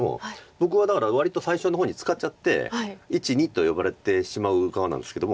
僕はだから割と最初の方に使っちゃって「１２」と呼ばれてしまう側なんですけども。